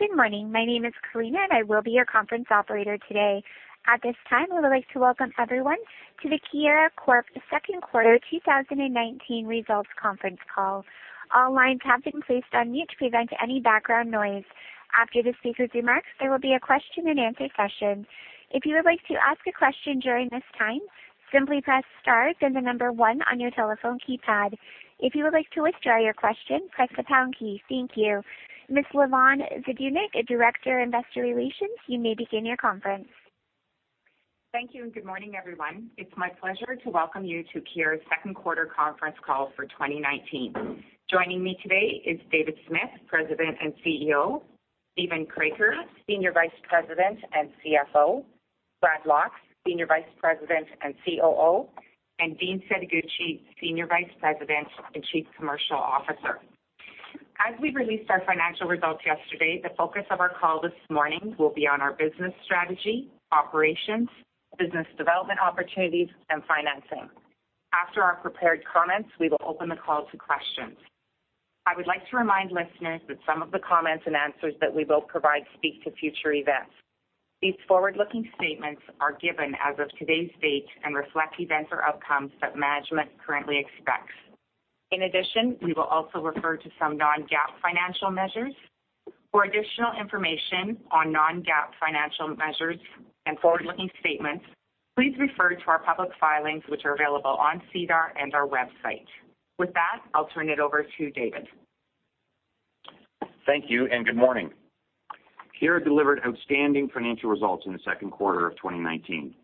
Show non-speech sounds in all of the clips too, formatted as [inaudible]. Good morning. My name is Karina, and I will be your conference operator today. At this time, we would like to welcome everyone to the Keyera Corp. Second Quarter 2019 Results Conference Call. All lines have been placed on mute to prevent any background noise. After the speakers' remarks, there will be a question-and-answer session. If you would like to ask a question during this time, simply press star, then the number 1 on your telephone keypad. If you would like to withdraw your question, press the pound key. Thank you. Ms. Lavonne Zdunich, Director, Investor Relations, you may begin your conference. Thank you, and good morning, everyone. It's my pleasure to welcome you to Keyera's second quarter conference call for 2019. Joining me today is David Smith, President and CEO, Steven Kroeker, Senior Vice President and CFO, Bradley Lock, Senior Vice President and COO, and Dean Setoguchi, Senior Vice President and Chief Commercial Officer. As we released our financial results yesterday, the focus of our call this morning will be on our business strategy, operations, business development opportunities, and financing. After our prepared comments, we will open the call to questions. I would like to remind listeners that some of the comments and answers that we will provide speak to future events. These forward-looking statements are given as of today's date and reflect events or outcomes that management currently expects. In addition, we will also refer to some non-GAAP financial measures. For additional information on non-GAAP financial measures and forward-looking statements, please refer to our public filings, which are available on SEDAR and our website. With that, I'll turn it over to David. Thank you, and good morning. Keyera delivered outstanding financial results in the second quarter of 2019.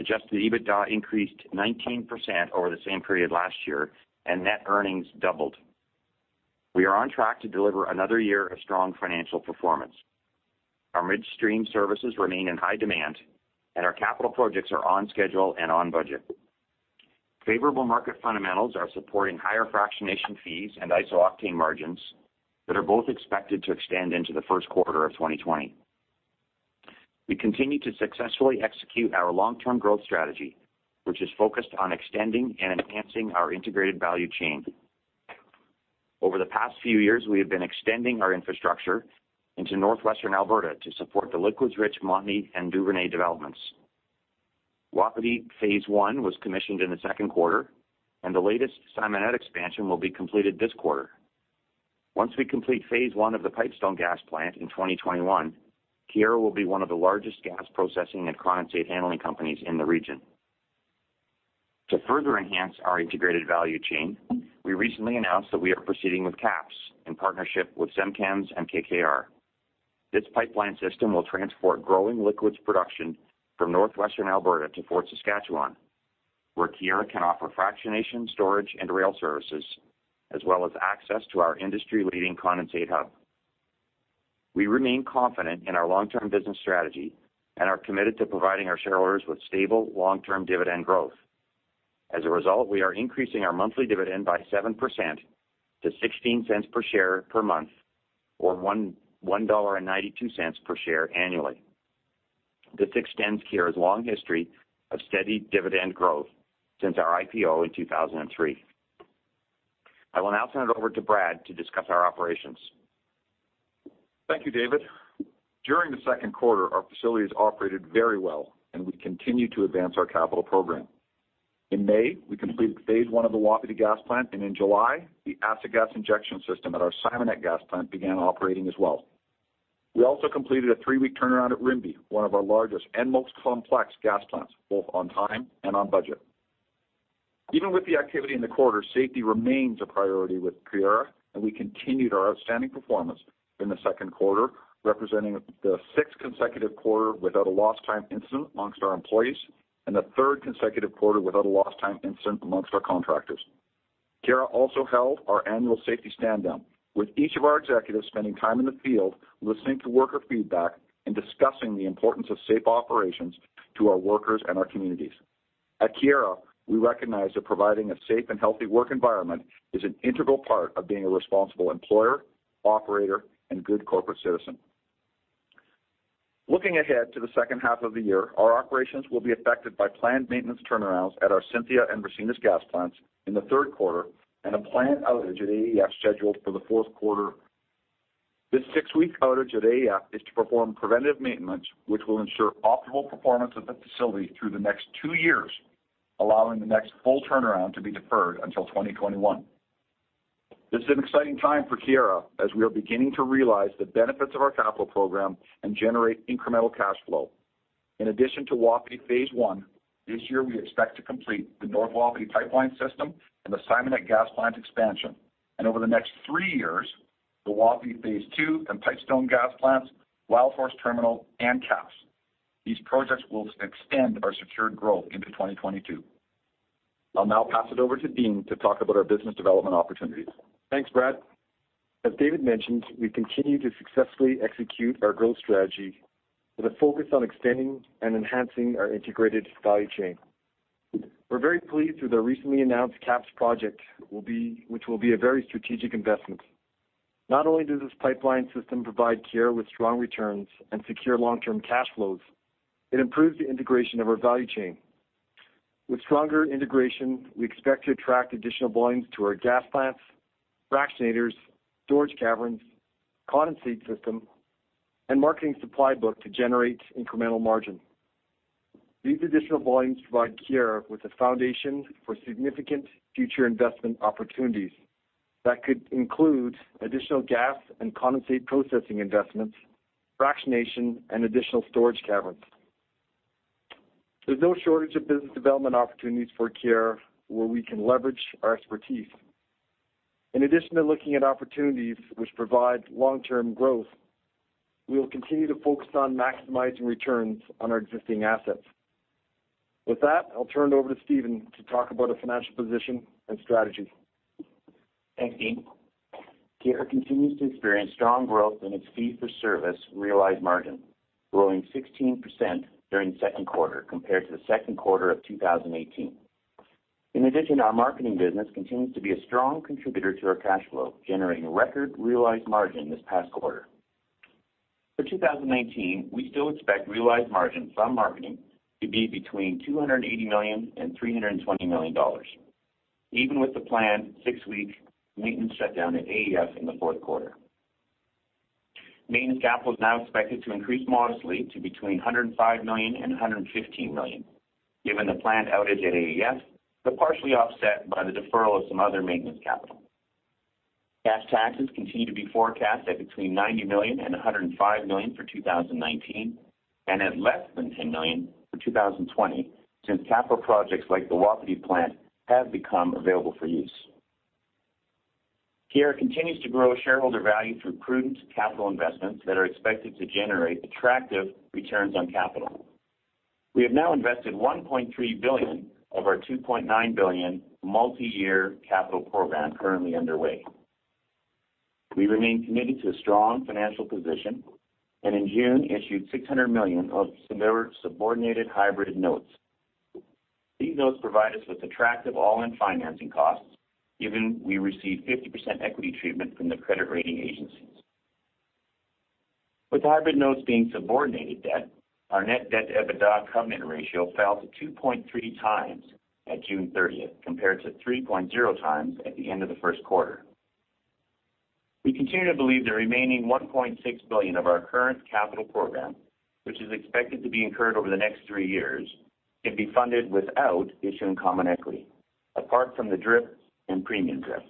Adjusted EBITDA increased 19% over the same period last year, net earnings doubled. We are on track to deliver another year of strong financial performance. Our midstream services remain in high demand, and our capital projects are on schedule and on budget. Favorable market fundamentals are supporting higher fractionation fees and iso-octane margins that are both expected to extend into the first quarter of 2020. We continue to successfully execute our long-term growth strategy, which is focused on extending and enhancing our integrated value chain. Over the past few years, we have been extending our infrastructure into northwestern Alberta to support the liquids-rich Montney and Duvernay developments. Wapiti Phase 1 was commissioned in the second quarter, and the latest Simonette expansion will be completed this quarter. Once we complete Phase 1 of the Pipestone gas plant in 2021, Keyera will be one of the largest gas processing and condensate handling companies in the region. To further enhance our integrated value chain, we recently announced that we are proceeding with KAPS in partnership with Cenovus and KKR. This pipeline system will transport growing liquids production from northwestern Alberta to Fort Saskatchewan, where Keyera can offer fractionation, storage, and rail services, as well as access to our industry-leading condensate hub. We remain confident in our long-term business strategy and are committed to providing our shareholders with stable, long-term dividend growth. As a result, we are increasing our monthly dividend by 7% to 0.16 per share per month or 1.92 dollar per share annually. This extends Keyera's long history of steady dividend growth since our IPO in 2003. I will now turn it over to Brad to discuss our operations. Thank you, David. During the second quarter, our facilities operated very well, and we continued to advance our capital program. In May, we completed phase 1 of the Wapiti gas plant. In July, the acid gas injection system at our Simonette gas plant began operating as well. We also completed a three-week turnaround at Rimbey, one of our largest and most complex gas plants, both on time and on budget. Even with the activity in the quarter, safety remains a priority with Keyera. We continued our outstanding performance in the second quarter, representing the sixth consecutive quarter without a lost-time incident amongst our employees and the third consecutive quarter without a lost-time incident amongst our contractors. Keyera also held our annual safety standdown, with each of our executives spending time in the field listening to worker feedback and discussing the importance of safe operations to our workers and our communities. At Keyera, we recognize that providing a safe and healthy work environment is an integral part of being a responsible employer, operator, and good corporate citizen. Looking ahead to the second half of the year, our operations will be affected by planned maintenance turnarounds at our Cynthia and Ricinus gas plants in the third quarter and a planned outage at AEF scheduled for the fourth quarter. This six-week outage at AEF is to perform preventative maintenance, which will ensure optimal performance of the facility through the next two years, allowing the next full turnaround to be deferred until 2021. This is an exciting time for Keyera as we are beginning to realize the benefits of our capital program and generate incremental cash flow. In addition to Wapiti phase 1, this year, we expect to complete the North Wapiti pipeline system and the Simonette gas plant expansion. Over the next three years, the Wapiti phase 2 and Pipestone gas plants, Wildhorse terminal, and KAPS. These projects will extend our secured growth into 2022. I'll now pass it over to Dean to talk about our business development opportunities. Thanks, Brad. As David mentioned, we continue to successfully execute our growth strategy with a focus on extending and enhancing our integrated value chain. We're very pleased with the recently announced KAPS project, which will be a very strategic investment. Not only does this pipeline system provide Keyera with strong returns and secure long-term cash flows, it improves the integration of our value chain. With stronger integration, we expect to attract additional volumes to our gas plants, fractionators, storage caverns, condensate system, and marketing supply book to generate incremental margin. These additional volumes provide Keyera with a foundation for significant future investment opportunities that could include additional gas and condensate processing investments, fractionation, and additional storage caverns. There's no shortage of business development opportunities for Keyera where we can leverage our expertise. In addition to looking at opportunities which provide long-term growth, we will continue to focus on maximizing returns on our existing assets. With that, I'll turn it over to Steven to talk about our financial position and strategy. Thanks, Dean. Keyera continues to experience strong growth in its fee-for-service realized margin, growing 16% during the second quarter compared to the second quarter of 2018. Our marketing business continues to be a strong contributor to our cash flow, generating a record realized margin this past quarter. For 2019, we still expect realized margins from marketing to be between 280 million and 320 million dollars, even with the planned six-week maintenance shutdown at AEF in the fourth quarter. Maintenance capital is now expected to increase modestly to between 105 million and 115 million, given the planned outage at AEF, partially offset by the deferral of some other maintenance capital. Cash taxes continue to be forecast at between 90 million and 105 million for 2019, and at less than 10 million for 2020, since capital projects like the Wapiti plant have become available for use. Keyera continues to grow shareholder value through prudent capital investments that are expected to generate attractive returns on capital. We have now invested 1.3 billion of our 2.9 billion multi-year capital program currently underway. We remain committed to a strong financial position, and in June, issued 600 million of senior subordinated hybrid notes. These notes provide us with attractive all-in financing costs, given we receive 50% equity treatment from the credit rating agencies. With hybrid notes being subordinated debt, our net debt-to-EBITDA covenant ratio fell to 2.3 times at June 30th, compared to 3.0 times at the end of the first quarter. We continue to believe the remaining 1.6 billion of our current capital program, which is expected to be incurred over the next three years, can be funded without issuing common equity, apart from the DRIP and premium DRIP.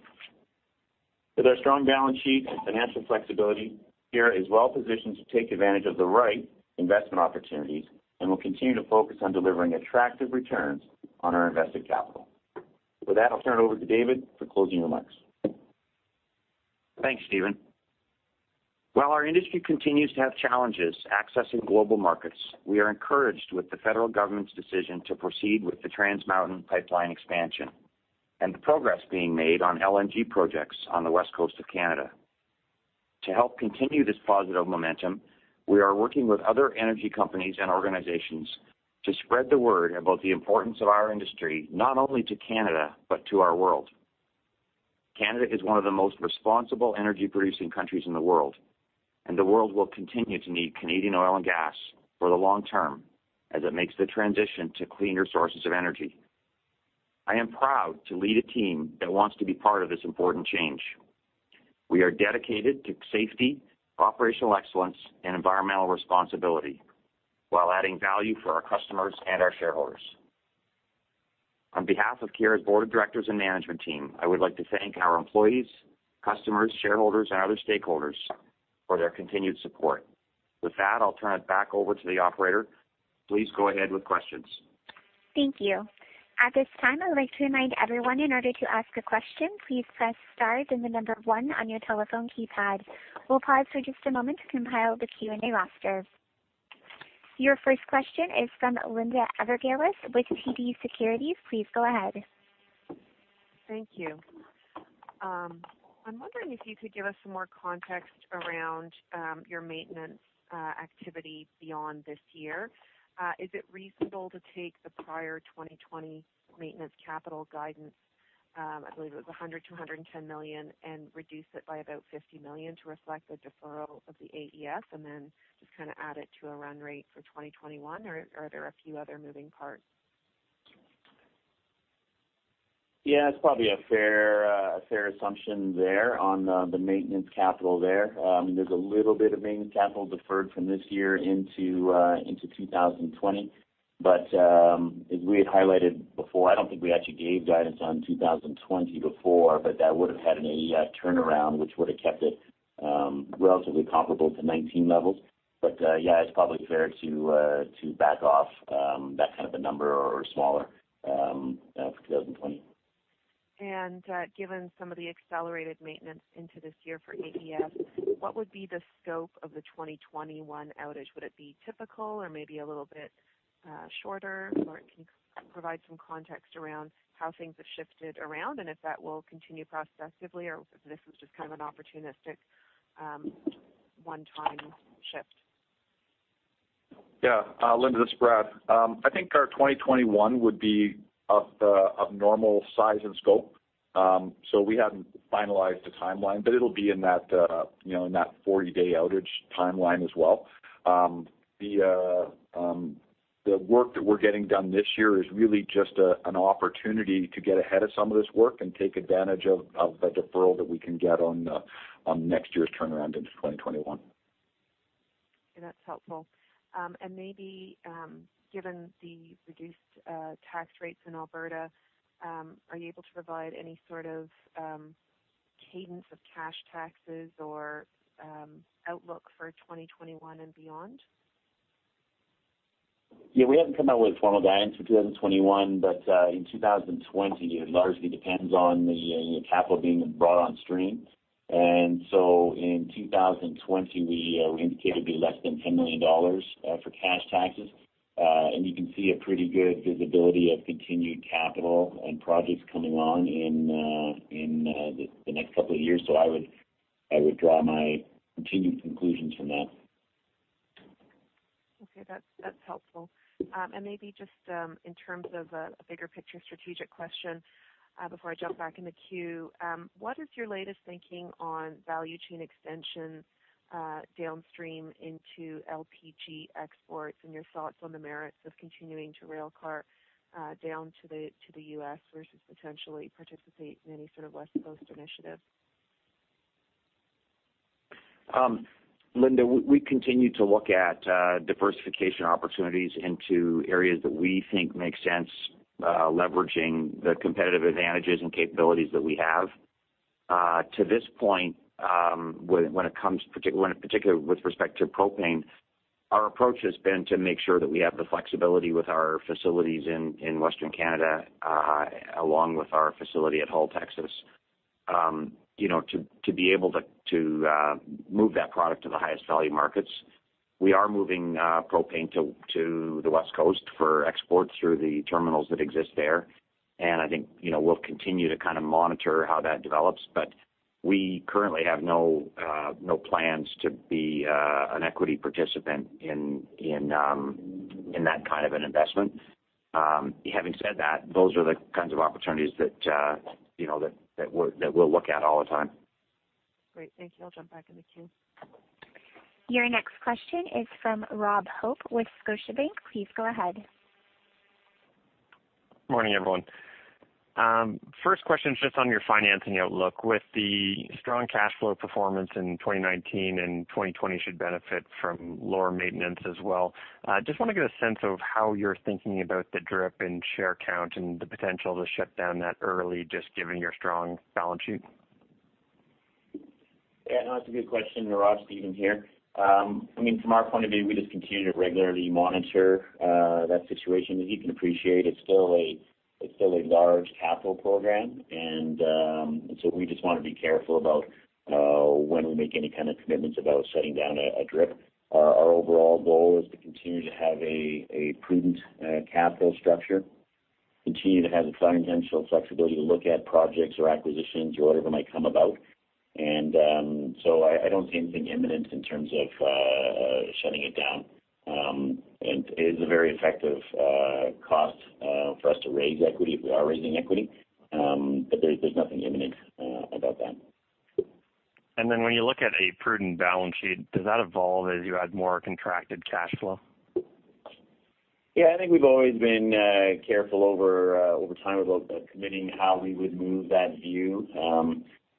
With our strong balance sheet and financial flexibility, Keyera is well-positioned to take advantage of the right investment opportunities and will continue to focus on delivering attractive returns on our invested capital. With that, I'll turn it over to David for closing remarks. Thanks, Steven. While our industry continues to have challenges accessing global markets, we are encouraged with the federal government's decision to proceed with the Trans Mountain pipeline expansion and the progress being made on LNG projects on the West Coast of Canada. To help continue this positive momentum, we are working with other energy companies and organizations to spread the word about the importance of our industry, not only to Canada, but to our world. Canada is one of the most responsible energy-producing countries in the world. The world will continue to need Canadian oil and gas for the long term as it makes the transition to cleaner sources of energy. I am proud to lead a team that wants to be part of this important change. We are dedicated to safety, operational excellence, and environmental responsibility while adding value for our customers and our shareholders. On behalf of Keyera's board of directors and management team, I would like to thank our employees, customers, shareholders, and other stakeholders for their continued support. With that, I'll turn it back over to the operator. Please go ahead with questions. Thank you. At this time, I would like to remind everyone, in order to ask a question, please press star, then the number 1 on your telephone keypad. We'll pause for just a moment to compile the Q&A roster. Your first question is from Linda Ezergailis with TD Securities. Please go ahead. Thank you. I'm wondering if you could give us some more context around your maintenance activity beyond this year. Is it reasonable to take the prior 2020 maintenance capital guidance, I believe it was 100 million-110 million, and reduce it by about 50 million to reflect the deferral of the AEF, and then just add it to a run rate for 2021? Are there a few other moving parts? Yeah, that's probably a fair assumption there on the maintenance capital there. There's a little bit of maintenance capital deferred from this year into 2020. As we had highlighted before, I don't think we actually gave guidance on 2020 before, that would've had an AEF turnaround which would've kept it relatively comparable to 2019 levels. Yeah, it's probably fair to back off that kind of a number or smaller for 2020. Given some of the accelerated maintenance into this year for AEF, what would be the scope of the 2021 outage? Would it be typical or maybe a little bit shorter? Can you provide some context around how things have shifted around, and if that will continue progressively, or if this is just an opportunistic one-time shift? Yeah. Linda, this is Brad. I think our 2021 would be of normal size and scope. We haven't finalized the timeline, but it'll be in that 40-day outage timeline as well. The work that we're getting done this year is really just an opportunity to get ahead of some of this work and take advantage of a deferral that we can get on next year's turnaround into 2021. Okay, that's helpful. Maybe, given the reduced tax rates in Alberta, are you able to provide any sort of cadence of cash taxes or outlook for 2021 and beyond? Yeah. We haven't come out with formal guidance for 2021, but in 2020, it largely depends on the capital being brought on stream. In 2020, we indicated it'd be less than 10 million dollars for cash taxes. You can see a pretty good visibility of continued capital and projects coming on in the next couple of years. I would draw my continued conclusions from that. Okay. That's helpful. Maybe just in terms of a bigger picture strategic question before I jump back in the queue. What is your latest thinking on value chain extension downstream into LPG exports, and your thoughts on the merits of continuing to railcar down to the U.S. versus potentially participate in any sort of West Coast initiative? Linda, we continue to look at diversification opportunities into areas that we think make sense, leveraging the competitive advantages and capabilities that we have. To this point, particularly with respect to propane, our approach has been to make sure that we have the flexibility with our facilities in Western Canada, along with our facility at Hull, Texas, to be able to move that product to the highest value markets. I think we'll continue to kind of monitor how that develops. We currently have no plans to be an equity participant in that kind of an investment. Having said that, those are the kinds of opportunities that we'll look at all the time. Great. Thank you. I'll jump back in the queue. Your next question is from Robert Hope with Scotiabank. Please go ahead. Morning, everyone. First question is just on your financing outlook. With the strong cash flow performance in 2019, and 2020 should benefit from lower maintenance as well, just want to get a sense of how you're thinking about the DRIP in share count, and the potential to shut down that early, just given your strong balance sheet. Yeah. No, that's a good question, Robert. Steven here. From our point of view, we just continue to regularly monitor that situation. As you can appreciate, it's still a large capital program, we just want to be careful about when we make any kind of commitments about shutting down a DRIP. Our overall goal is to continue to have a prudent capital structure, continue to have the financial flexibility to look at projects or acquisitions or whatever might come about. I don't see anything imminent in terms of shutting it down. It is a very effective cost for us to raise equity if we are raising equity. There's nothing imminent about that. When you look at a prudent balance sheet, does that evolve as you add more contracted cash flow? Yeah. I think we've always been careful over time about committing how we would move that view.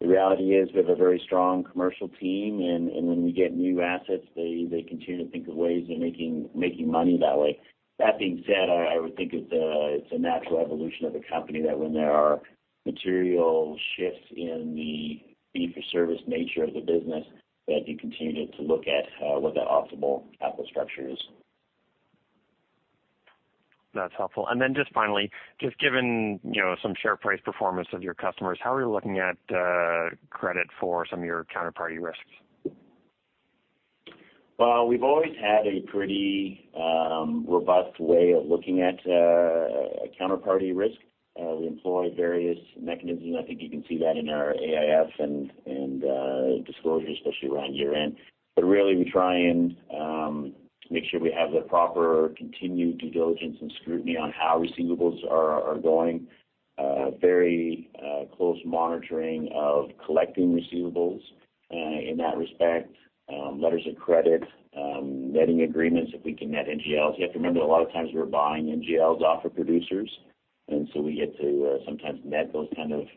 The reality is we have a very strong commercial team, and when we get new assets, they continue to think of ways of making money that way. That being said, I would think it's a natural evolution of the company that when there are material shifts in the fee-for-service nature of the business, that you continue to look at what that optimal capital structure is. That's helpful. Then just finally, just given some share price performance of your customers, how are you looking at credit for some of your counterparty risks? Well, we've always had a pretty robust way of looking at counterparty risk. We employ various mechanisms, and I think you can see that in our AIF and disclosure, especially around year-end. Really, we try and make sure we have the proper continued due diligence and scrutiny on how receivables are going. Very close monitoring of collecting receivables in that respect. Letters of credit, netting agreements, if we can net NGLs. You have to remember, a lot of times we're buying NGLs off of producers, we get to sometimes net those kind of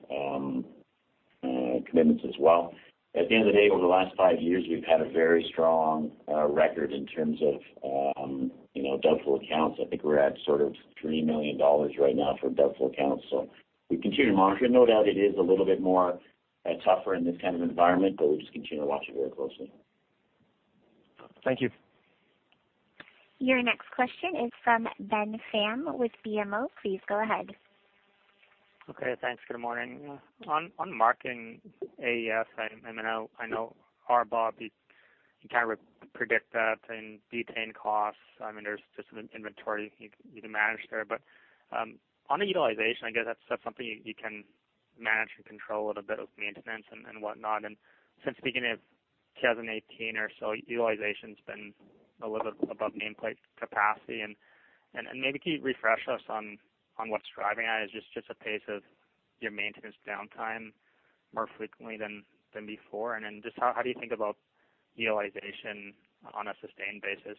commitments as well. At the end of the day, over the last five years, we've had a very strong record in terms of doubtful accounts. I think we're at sort of 3 million dollars right now for doubtful accounts. We continue to monitor. No doubt it is a little bit more tougher in this kind of environment, but we just continue to watch it very closely. Thank you. Your next question is from Ben Pham with BMO. Please go ahead. Okay. Thanks. Good morning. Marking AEF, I know, Brad Lock, you can't really predict that and detain costs. There's just inventory you can manage there. On the utilization, I guess that's something you can manage and control with a bit of maintenance and whatnot. Since beginning of 2018 or so, utilization's been a little above nameplate capacity. Maybe can you refresh us on what's driving that? Is it just a pace of your maintenance downtime more frequently than before? Then just how do you think about utilization on a sustained basis?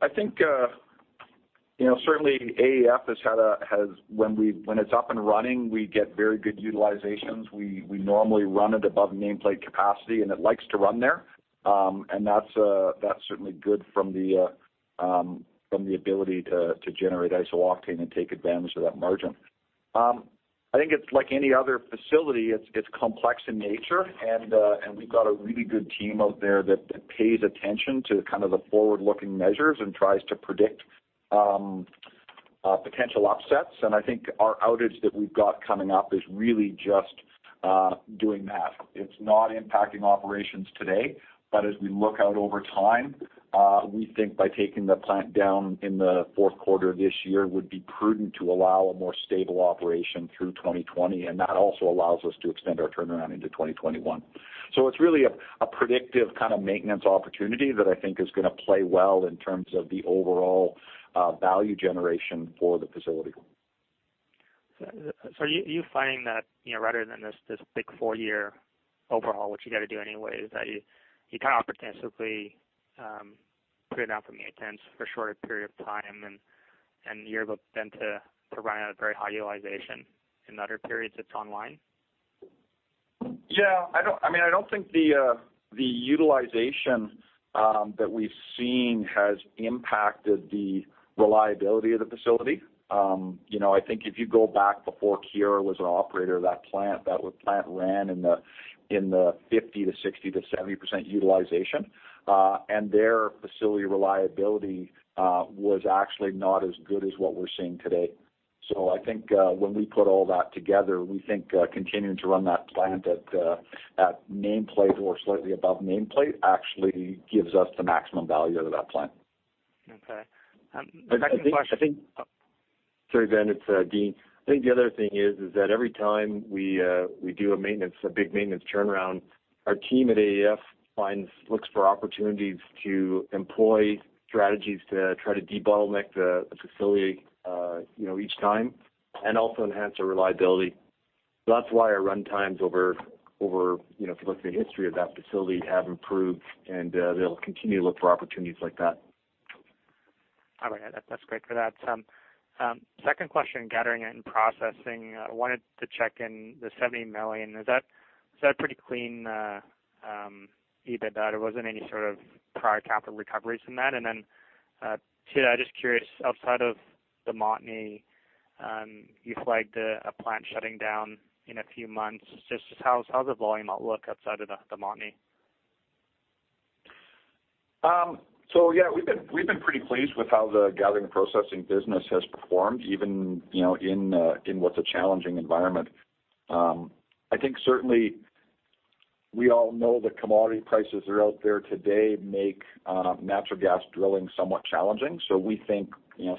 I think, certainly AEF, when it's up and running, we get very good utilizations. We normally run it above nameplate capacity, and it likes to run there. That's certainly good from the ability to generate iso-octane and take advantage of that margin. I think it's like any other facility. It's complex in nature, and we've got a really good team out there that pays attention to the forward-looking measures and tries to predict potential upsets. I think our outage that we've got coming up is really just doing that. It's not impacting operations today, but as we look out over time, we think by taking the plant down in the fourth quarter of this year would be prudent to allow a more stable operation through 2020. That also allows us to extend our turnaround into 2021. It's really a predictive kind of maintenance opportunity that I think is going to play well in terms of the overall value generation for the facility. Are you finding that rather than this big four-year overhaul, which you got to do anyway, is that you kind of opportunistically put it out for maintenance for a shorter period of time, and you're able then to run at a very high utilization in other periods it's online? I don't think the utilization that we've seen has impacted the reliability of the facility. I think if you go back before Keyera was an operator of that plant, that plant ran in the 50% to 60% to 70% utilization. Their facility reliability was actually not as good as what we're seeing today. I think when we put all that together, we think continuing to run that plant at nameplate or slightly above nameplate actually gives us the maximum value out of that plant. Okay. Second question. Sorry, Ben, it's Dean. The other thing is that every time we do a big maintenance turnaround, our team at AEF looks for opportunities to employ strategies to try to debottleneck the facility each time and also enhance our reliability. That's why our runtimes, if you look at the history of that facility, have improved, and they'll continue to look for opportunities like that. All right. That's great for that. Second question, Gathering and Processing, I wanted to check in the 70 million. Is that a pretty clean EBITDA? There wasn't any sort of prior capital recoveries from that? Two, I'm just curious, outside of the Montney, you flagged a plant shutting down in a few months. Just how's the volume outlook outside of the Montney? Yeah, we've been pretty pleased with how the Gathering and Processing business has performed, even in what's a challenging environment. I think certainly we all know the commodity prices that are out there today make natural gas drilling somewhat challenging. We think,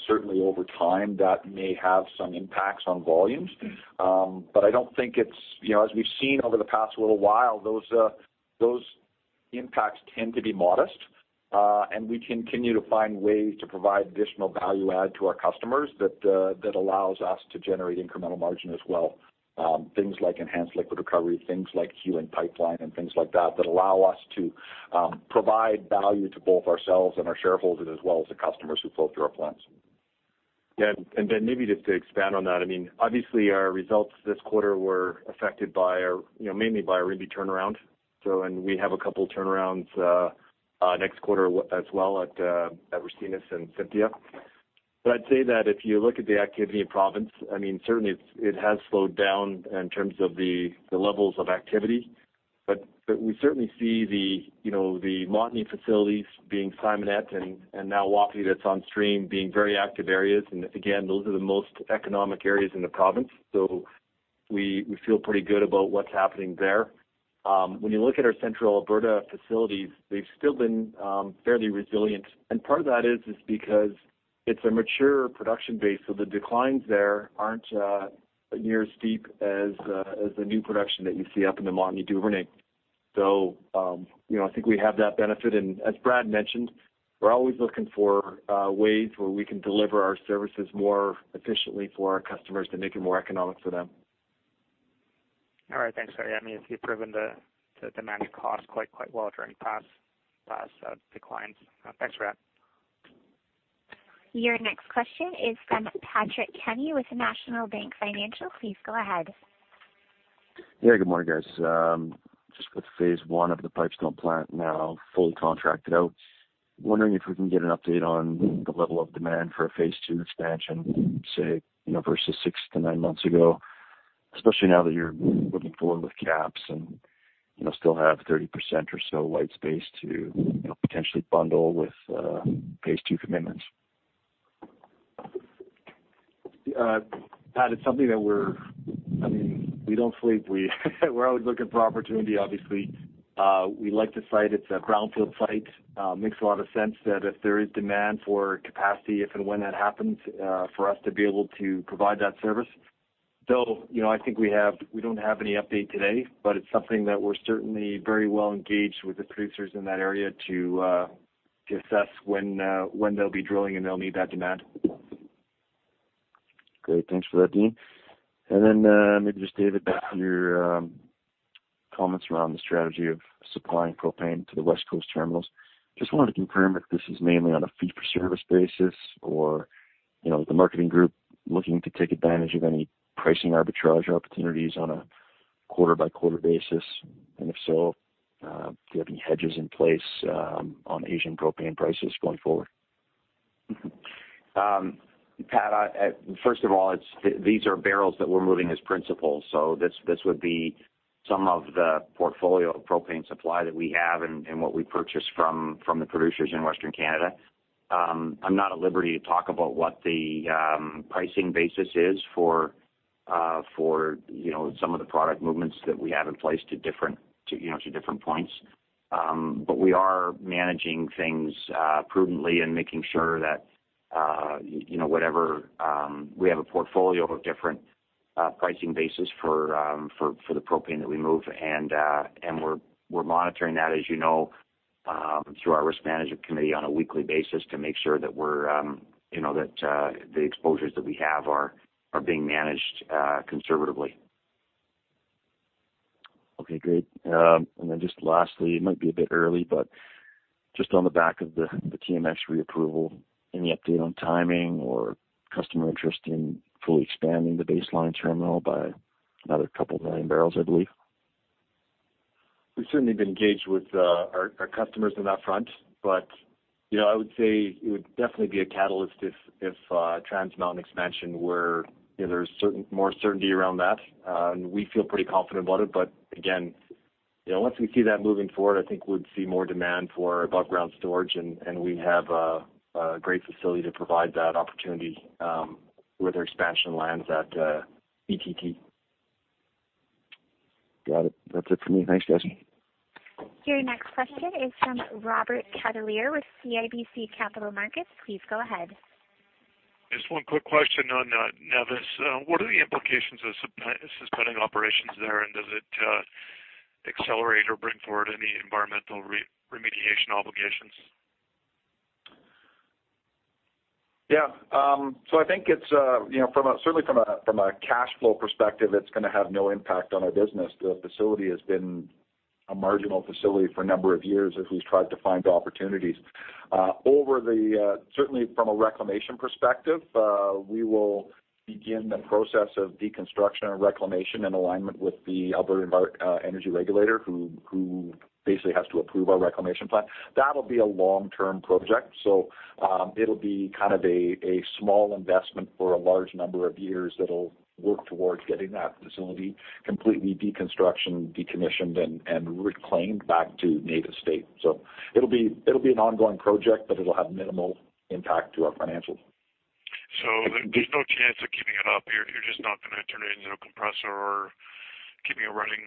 certainly over time, that may have some impacts on volumes. As we've seen over the past little while, those impacts tend to be modest, and we continue to find ways to provide additional value add to our customers that allows us to generate incremental margin as well. Things like enhanced liquid recovery, things like Hewan Pipeline and things like that allow us to provide value to both ourselves and our shareholders as well as the customers who flow through our plants. Yeah. Then maybe just to expand on that, obviously our results this quarter were affected mainly by our Rimbey turnaround. We have a couple turnarounds next quarter as well at Ricinus and Cynthia. I'd say that if you look at the activity in province, certainly it has slowed down in terms of the levels of activity. We certainly see the Montney facilities, being Simonette and now Wapiti that's onstream, being very active areas. Again, those are the most economic areas in the province. We feel pretty good about what's happening there. When you look at our Central Alberta facilities, they've still been fairly resilient. Part of that is because it's a mature production base, so the declines there aren't near as steep as the new production that you see up in the Montney Duvernay. I think we have that benefit. As Brad mentioned, we're always looking for ways where we can deliver our services more efficiently for our customers to make it more economic for them. All right. Thanks. You've proven to manage costs quite well during past declines. Thanks, Brad. Your next question is from Patrick Kenny with National Bank Financial. Please go ahead. Yeah, good morning, guys. Just with phase 1 of the Pipestone plant now fully contracted out, wondering if we can get an update on the level of demand for a phase 2 expansion, say, versus six to nine months ago, especially now that you're looking forward with KAPS and still have 30% or so white space to potentially bundle with phase 2 commitments? Pat, We don't sleep. We're always looking for opportunity, obviously. We like the site. It's a greenfield site. Makes a lot of sense that if there is demand for capacity, if and when that happens, for us to be able to provide that service. I think we don't have any update today, but it's something that we're certainly very well-engaged with the producers in that area to assess when they'll be drilling, and they'll need that demand. Great. Thanks for that, Dean. Then, maybe just David, back to your comments around the strategy of supplying propane to the West Coast terminals. Just wanted to confirm if this is mainly on a fee-for-service basis or the marketing group looking to take advantage of any pricing arbitrage opportunities on a quarter-by-quarter basis. If so, do you have any hedges in place on Asian propane prices going forward? Patrick, first of all, these are barrels that we're moving as principals. This would be some of the portfolio of propane supply that we have and what we purchase from the producers in Western Canada. I'm not at liberty to talk about what the pricing basis is for some of the product movements that we have in place to different points. We are managing things prudently and making sure that we have a portfolio of different pricing basis for the propane that we move. We're monitoring that as you know, through our Risk Management Committee on a weekly basis to make sure that the exposures that we have are being managed conservatively. Okay, great. Then just lastly, it might be a bit early, just on the back of the TMX reapproval, any update on timing or customer interest in fully expanding the Base Line Terminal by another couple million barrels, I believe? We've certainly been engaged with our customers in that front. I would say it would definitely be a catalyst if Trans Mountain Expansion where there's more certainty around that. We feel pretty confident about it, but again, once we see that moving forward, I think we'd see more demand for above ground storage, and we have a great facility to provide that opportunity, where their Expansion lands at ETT. Got it. That's it for me. Thanks, guys. Your next question is from Robert Catellier with CIBC Capital Markets. Please go ahead. Just one quick question on Nevis. What are the implications of suspending operations there, and does it accelerate or bring forward any environmental remediation obligations? Yeah. I think certainly from a cash flow perspective, it's going to have no impact on our business. The facility has been a marginal facility for a number of years as we've tried to find opportunities. Certainly, from a reclamation perspective, we will begin the process of deconstruction and reclamation and alignment with the Alberta Energy Regulator, who basically has to approve our reclamation plan. That'll be a long-term project, so it'll be a small investment for a large number of years that'll work towards getting that facility completely deconstruction, decommissioned, and reclaimed back to native state. It'll be an ongoing project, but it'll have minimal impact to our financials. There's no chance of keeping it up. You're just not going to turn it into a compressor or keeping it running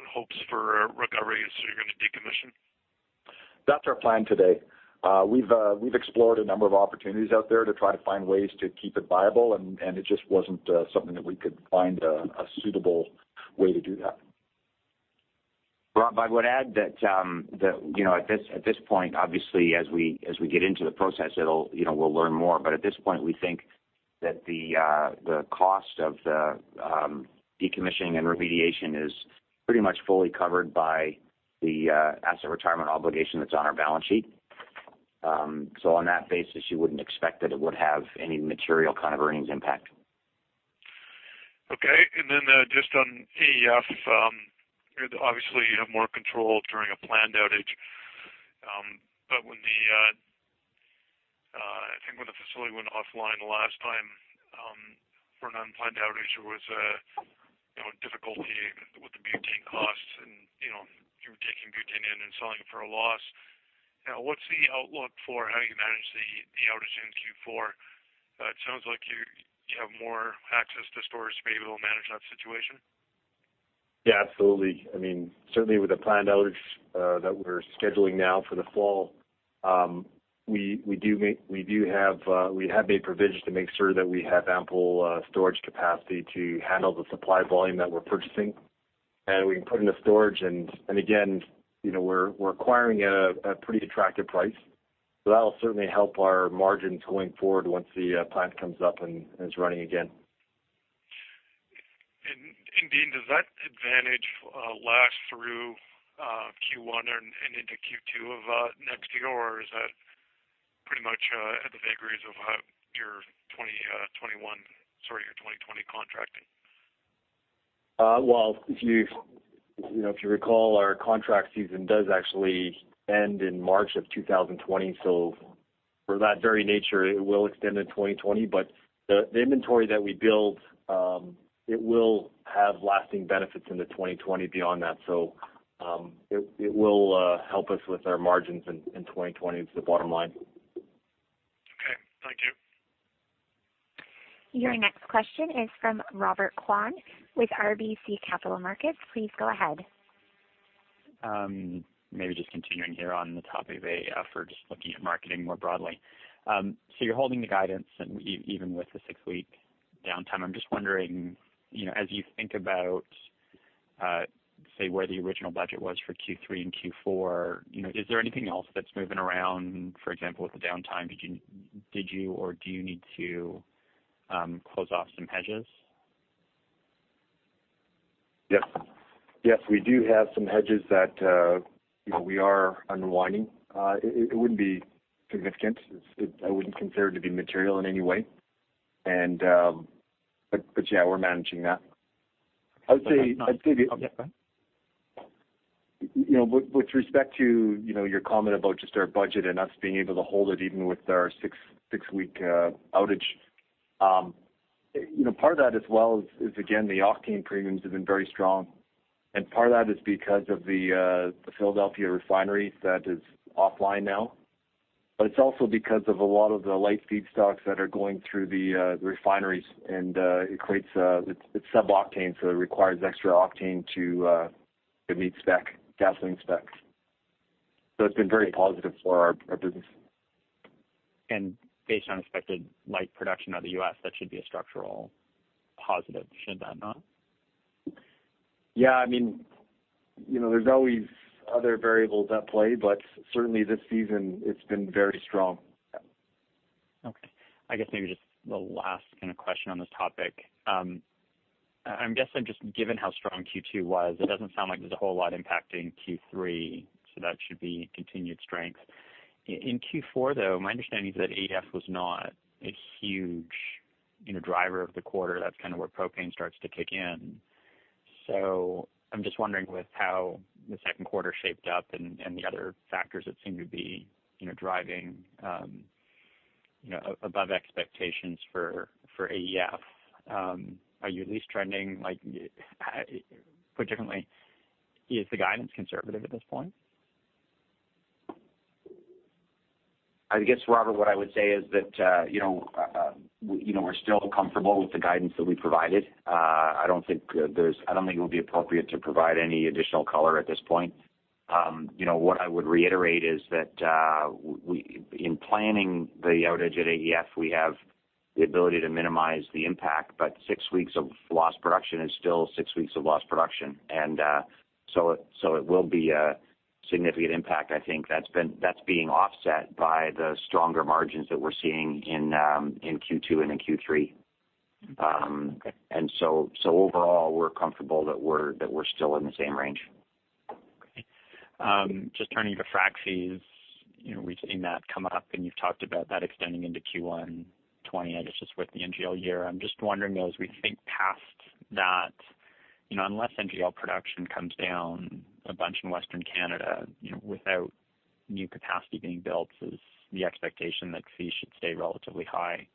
in hopes for a recovery. So you're going to decommission? That's our plan today. We've explored a number of opportunities out there to try to find ways to keep it viable, and it just wasn't something that we could find a suitable way to do that. Rob, I would add that at this point, obviously, as we get into the process, we'll learn more, but at this point, we think that the cost of the decommissioning and remediation is pretty much fully covered by the asset retirement obligation that's on our balance sheet. On that basis, you wouldn't expect that it would have any material kind of earnings impact. Okay. Just on AEF, obviously, you have more control during a planned outage. I think when the facility went offline the last time for an unplanned outage, there was a difficulty with the butane costs, and you were taking butane in and selling it for a loss. What's the outlook for how you manage the outage in Q4? It sounds like you have more access to storage to be able to manage that situation. Yeah, absolutely. Certainly, with the planned outage that we're scheduling now for the fall, we have made provisions to make sure that we have ample storage capacity to handle the supply volume that we're purchasing. We can put into storage, and again, we're acquiring at a pretty attractive price, so that'll certainly help our margins going forward once the plant comes up and is running again. Dean, does that advantage last through Q1 and into Q2 of next year, or is that pretty much at the vagaries of your 2021, sorry, your 2020 contracting? If you recall, our contract season does actually end in March of 2020. For that very nature, it will extend to 2020. The inventory that we build, it will have lasting benefits into 2020 beyond that. It will help us with our margins in 2020 is the bottom line. Your next question is from Robert Kwan with RBC Capital Markets. Please go ahead. Maybe just continuing here on the topic of AEF. We're just looking at marketing more broadly. You're holding the guidance and even with the six-week downtime, I'm just wondering, as you think about say, where the original budget was for Q3 and Q4, is there anything else that's moving around? For example, with the downtime, did you or do you need to close off some hedges? Yes. We do have some hedges that we are unwinding. It wouldn't be significant. I wouldn't consider it to be material in any way. Yeah, we're managing that. Okay. I would say the- Oh, yeah. Go ahead. With respect to your comment about just our budget and us being able to hold it even with our six-week outage. Part of that as well is, again, the octane premiums have been very strong, and part of that is because of the Philadelphia refinery that is offline now, but it's also because of a lot of the light feedstocks that are going through the refineries, and It's sub-octane, so it requires extra octane to meet gasoline specs. It's been very positive for our business. Based on expected light production out of the U.S., that should be a structural positive, should that not? Yeah. There's always other variables at play, but certainly, this season it's been very strong. Okay. I guess maybe just the last question on this topic. I'm guessing just given how strong Q2 was, it doesn't sound like there's a whole lot impacting Q3, so that should be continued strength. In Q4, though, my understanding is that AEF was not a huge driver of the quarter. That's where propane starts to kick in. I'm just wondering with how the second quarter shaped up and the other factors that seem to be driving above expectations for AEF. Put differently, is the guidance conservative at this point? I guess, Robert, what I would say is that we're still comfortable with the guidance that we provided. I don't think it would be appropriate to provide any additional color at this point. What I would reiterate is that in planning the outage at AEF, we have the ability to minimize the impact, but six weeks of lost production is still six weeks of lost production. It will be a significant impact, I think. That's being offset by the stronger margins that we're seeing in Q2 and in Q3. Okay. Overall, we're comfortable that we're still in the same range. Okay. Just turning to frac fees, we've seen that come up, and you've talked about that extending into Q1 2020. I guess just with the NGL year, I'm just wondering, though, as we think past that, unless NGL production comes down a bunch in Western Canada, without new capacity being built, is the expectation that fees should stay relatively high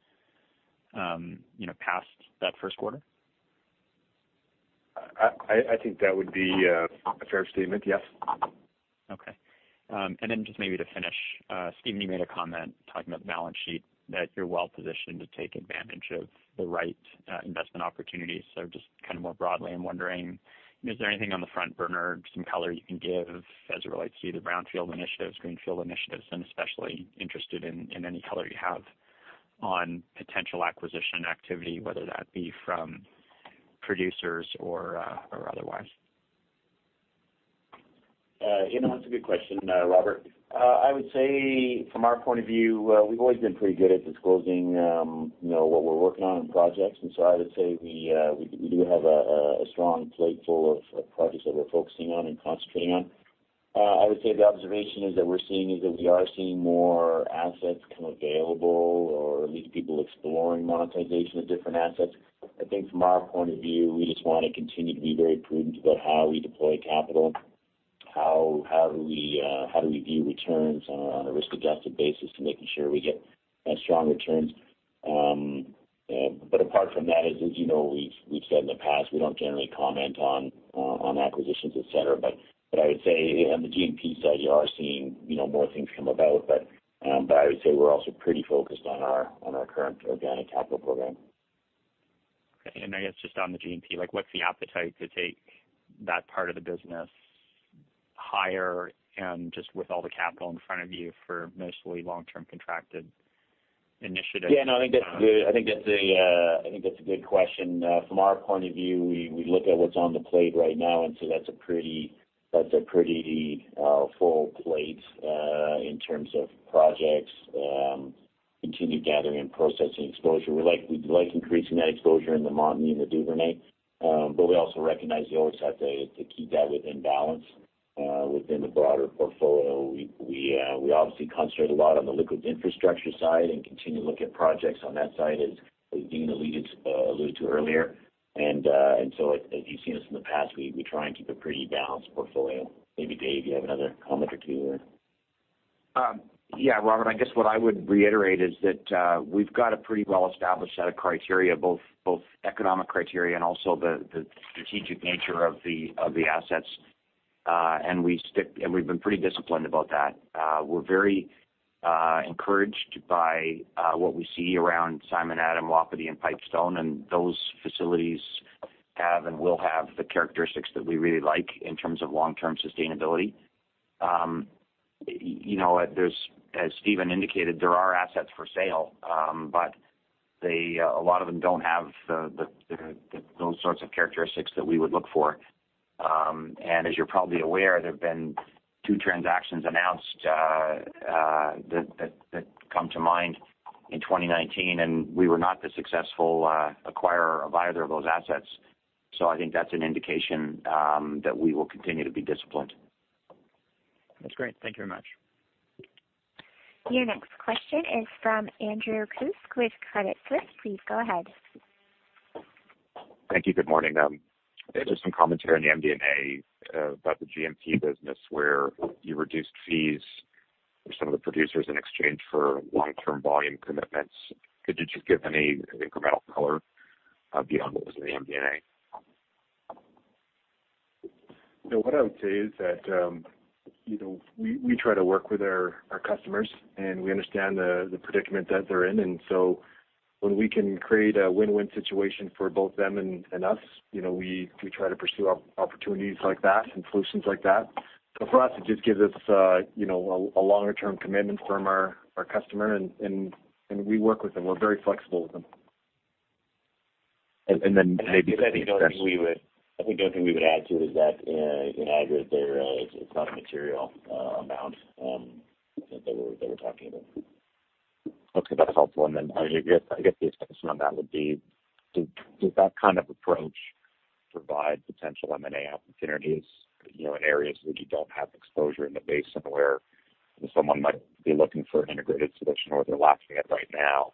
past that first quarter? I think that would be a fair statement, yes. Okay. Then just maybe to finish, Steven, you made a comment talking about the balance sheet, that you're well-positioned to take advantage of the right investment opportunities. Just more broadly, I'm wondering, is there anything on the front burner, some color you can give as it relates to either brownfield initiatives, greenfield initiatives, and especially interested in any color you have on potential acquisition activity, whether that be from producers or otherwise? That's a good question, Robert. I would say from our point of view, we've always been pretty good at disclosing what we're working on in projects. I would say we do have a strong plate full of projects that we're focusing on and concentrating on. I would say the observation is that we're seeing is that we are seeing more assets come available or at least people exploring monetization of different assets. I think from our point of view, we just want to continue to be very prudent about how we deploy capital, how do we view returns on a risk-adjusted basis to making sure we get strong returns. Apart from that, as you know, we've said in the past, we don't generally comment on acquisitions, et cetera. I would say on the G&P side, you are seeing more things come about. I would say we're also pretty focused on our current organic capital program. Okay. I guess just on the G&P, what's the appetite to take that part of the business higher and just with all the capital in front of you for mostly long-term contracted initiatives? Yeah, no, I think that's a good question. From our point of view, we look at what's on the plate right now, and so that's a pretty full plate in terms of projects, continued Gathering and Processing exposure. We like increasing that exposure in the Montney and the Duvernay. We also recognize you always have to keep that within balance within the broader portfolio. We obviously concentrate a lot on the liquid infrastructure side and continue to look at projects on that side, as Dean alluded to earlier. As you've seen us in the past, we try and keep a pretty balanced portfolio. Maybe Dave, you have another comment or two there. Yeah. Robert, I guess what I would reiterate is that we've got a pretty well-established set of criteria, both economic criteria and also the strategic nature of the assets. We've been pretty disciplined about that. We're very encouraged by what we see around Simonette, Wapiti, and Pipestone. Those facilities have and will have the characteristics that we really like in terms of long-term sustainability. As Steven indicated, there are assets for sale. A lot of them don't have those sorts of characteristics that we would look for. As you're probably aware, there have been two transactions announced that come to mind in 2019. We were not the successful acquirer of either of those assets. I think that's an indication that we will continue to be disciplined. That's great. Thank you very much. Your next question is from Andrew Kuske with Credit Suisse. Please go ahead. Thank you. Good morning. There's some commentary in the MD&A about the G&P business where you reduced fees for some of the producers in exchange for long-term volume commitments. Could you just give any incremental color beyond what was in the MD&A? What I would say is that we try to work with our customers, and we understand the predicament that they're in. When we can create a win-win situation for both them and us, we try to pursue opportunities like that and solutions like that. For us, it just gives us a longer-term commitment from our customer, and we work with them. We're very flexible with them. Maybe. [audio distortion] I think the only thing we would add to it is that in aggregate there, it's not a material amount that we're talking about. Okay. That's helpful. Then I guess the extension on that would be, does that kind of approach provide potential M&A opportunities, in areas where you don't have exposure in the basin where someone might be looking for an integrated solution, or they're lacking it right now,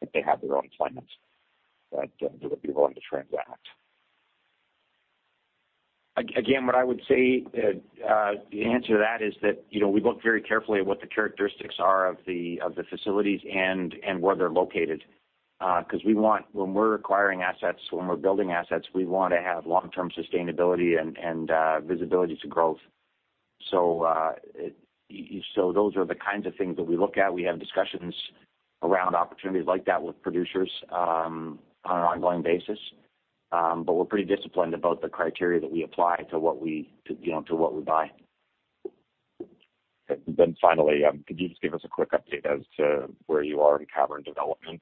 but they have their own plans that they would be willing to transact? What I would say, the answer to that is that we look very carefully at what the characteristics are of the facilities and where they're located. When we're acquiring assets, when we're building assets, we want to have long-term sustainability and visibility to growth. Those are the kinds of things that we look at. We have discussions around opportunities like that with producers on an ongoing basis. We're pretty disciplined about the criteria that we apply to what we buy. Finally, could you just give us a quick update as to where you are in cavern development,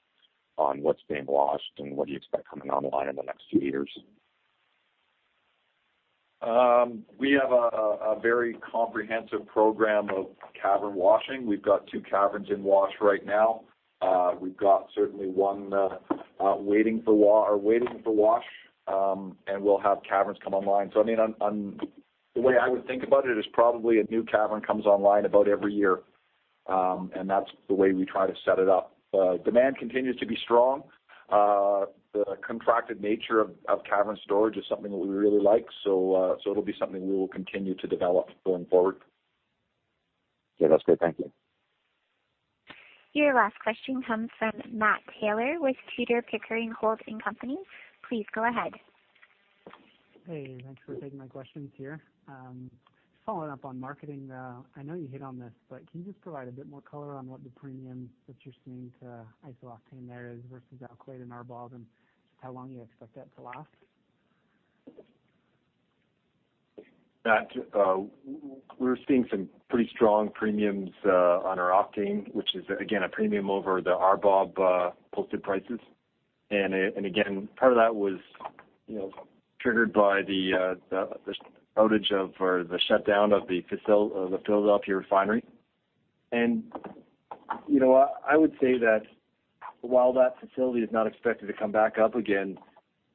on what's being washed, and what do you expect coming online in the next few years? We have a very comprehensive program of cavern washing. We've got two caverns in wash right now. We've got certainly one waiting for wash, and we'll have caverns come online. The way I would think about it is probably a new cavern comes online about every year, and that's the way we try to set it up. Demand continues to be strong. The contracted nature of cavern storage is something that we really like. It'll be something we will continue to develop going forward. Yeah. That's great. Thank you. Your last question comes from Matt Taylor with Tudor, Pickering, Holt & Co. Please go ahead. Hey, thanks for taking my questions here. Following up on marketing, I know you hit on this, but can you just provide a bit more color on what the premium that you're seeing to iso-octane there is versus alkylate and RBOB, and how long you expect that to last? Matt, we're seeing some pretty strong premiums on our octane, which is again, a premium over the RBOB posted prices. Part of that was triggered by the outage of, or the shutdown of the Philadelphia refinery. I would say that while that facility is not expected to come back up again,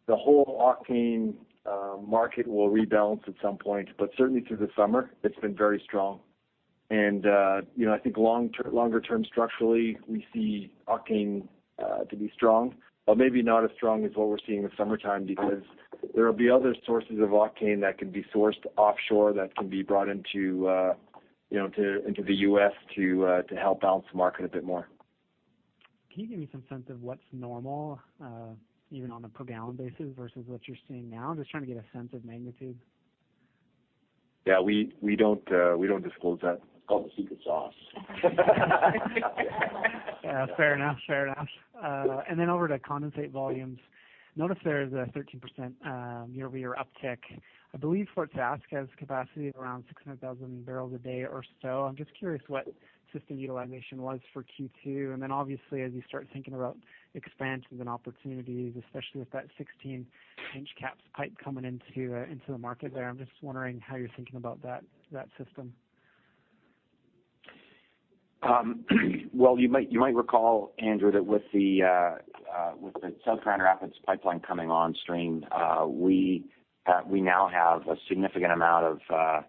the whole octane market will rebalance at some point. Certainly through the summer, it's been very strong. I think longer term structurally, we see octane to be strong, but maybe not as strong as what we're seeing in the summertime because there will be other sources of octane that can be sourced offshore that can be brought into the U.S. to help balance the market a bit more. Can you give me some sense of what's normal, even on a per gallon basis versus what you're seeing now? Just trying to get a sense of magnitude. Yeah, we don't disclose that. It's called the secret sauce. Yeah. Fair enough. Over to condensate volumes. Noticed there is a 13% year-over-year uptick. I believe Fort Sask has capacity of around 600,000 barrels a day or so. I'm just curious what system utilization was for Q2, and then obviously as you start thinking about expansions and opportunities, especially with that 16-inch KAPS pipe coming into the market there, I'm just wondering how you're thinking about that system. Well, you might recall, Andrew, that with the South Grand Rapids pipeline coming on stream, we now have a significant amount of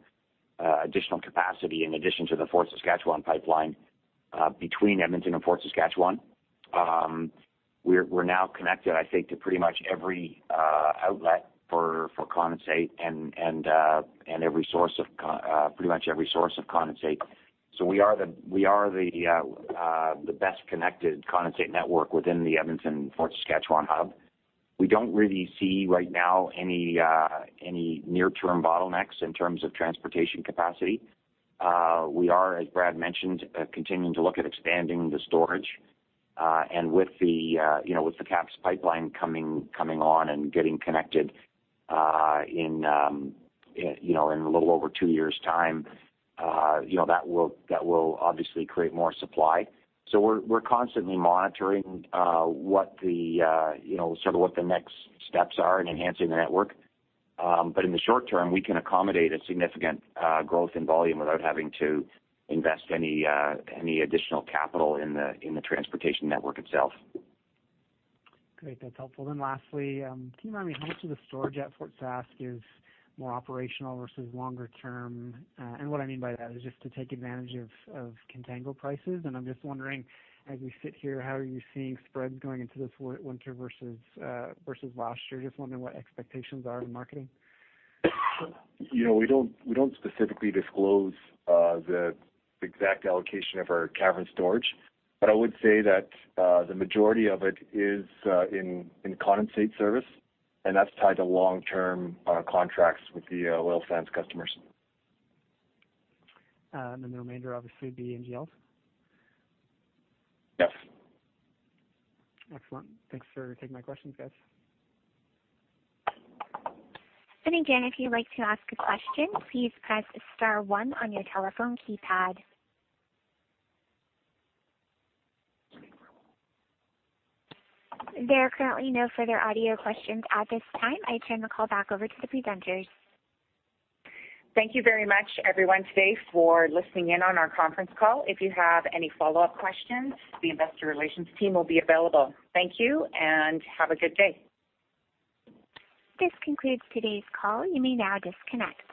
additional capacity in addition to the Fort Saskatchewan pipeline between Edmonton and Fort Saskatchewan. We're now connected, I think, to pretty much every outlet for condensate and pretty much every source of condensate. We are the best-connected condensate network within the Edmonton-Fort Saskatchewan hub. We don't really see right now any near-term bottlenecks in terms of transportation capacity. We are, as Brad mentioned, continuing to look at expanding the storage. With the KAPS Pipeline coming on and getting connected in a little over two years' time, that will obviously create more supply. We're constantly monitoring what the next steps are in enhancing the network. In the short term, we can accommodate a significant growth in volume without having to invest any additional capital in the transportation network itself. Great. That's helpful. Lastly, can you remind me how much of the storage at Fort Sask is more operational versus longer term? What I mean by that is just to take advantage of contango prices. I'm just wondering, as we sit here, how are you seeing spreads going into this winter versus last year? Just wondering what expectations are in marketing. We don't specifically disclose the exact allocation of our cavern storage. I would say that the majority of it is in condensate service, and that's tied to long-term contracts with the oil sands customers. The remainder obviously would be NGLs? Yes. Excellent. Thanks for taking my questions, guys. Again, if you'd like to ask a question, please press star 1 on your telephone keypad. There are currently no further audio questions at this time. I turn the call back over to the presenters. Thank you very much, everyone, today for listening in on our conference call. If you have any follow-up questions, the investor relations team will be available. Thank you, and have a good day. This concludes today's call. You may now disconnect.